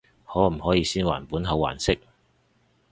可唔可以先還本後還息？